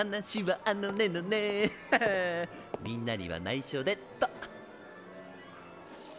フフフフみんなにはないしょでっと。